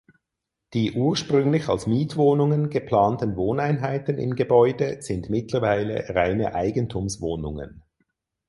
Die ursprünglich als Mietwohnungen geplanten Wohneinheiten im Gebäude sind mittlerweile reine Eigentumswohnungen.